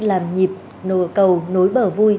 làm nhịp cầu nối bờ vui